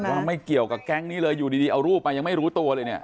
ว่าไม่เกี่ยวกับแก๊งนี้เลยอยู่ดีเอารูปมายังไม่รู้ตัวเลยเนี่ย